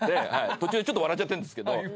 途中ちょっと笑っちゃってるんですけど。